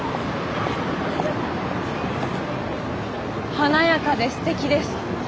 華やかですてきです。